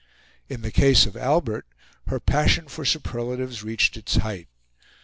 In the case of Albert her passion for superlatives reached its height.